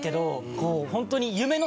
こうホントに。